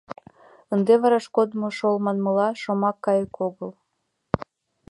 Ынде вараш кодмо шол, манмыла, шомак кайык огыл...